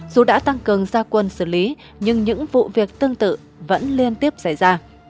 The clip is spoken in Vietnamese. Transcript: dù đã tăng cường gia quân xử lý nhưng những vụ việc tương tự vẫn liên tiếp xảy ra